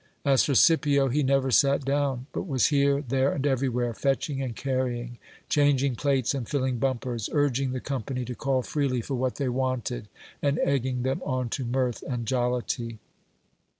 As for Scipio, he never sat down, but was here, there, and everywhere, fetching and carrying, changing plates and filling bumpers, urging the company to call freely for what they wanted, and egging them on to mirth and jollity.